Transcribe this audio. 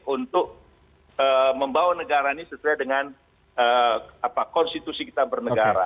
untuk membawa negara ini sesuai dengan konstitusi kita bernegara